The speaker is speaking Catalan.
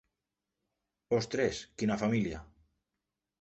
Ostres, quina família!